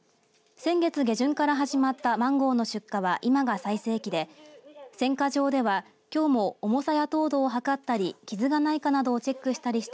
先月下旬から始まったマンゴーの出荷は、今が最盛期で選果場では、きょうも重さや糖度を測ったり傷がないかなどをチェックしたりした